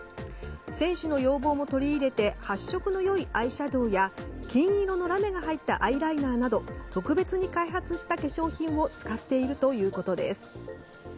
選手の要望も取り入れて発色の良いアイシャドーや金色のラメが入ったアイライナーなど特別に開発した化粧品を使っているということです。